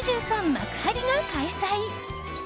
幕張が開催。